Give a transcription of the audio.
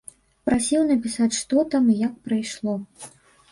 Прасіў напісаць што там і як прайшло.